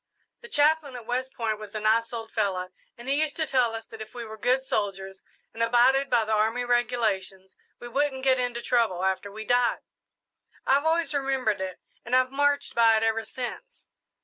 "The chaplain at West Point was a nice old fellow, and he used to tell us that if we were good soldiers and abided by the army regulations, we wouldn't get into trouble after we died. I've always remembered it and I've marched by it ever since."